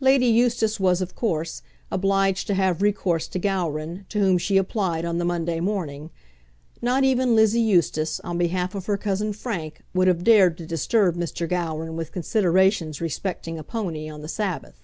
Lady Eustace was, of course, obliged to have recourse to Gowran, to whom she applied on the Monday morning. Not even Lizzie Eustace, on behalf of her cousin Frank, would have dared to disturb Mr. Gowran with considerations respecting a pony on the Sabbath.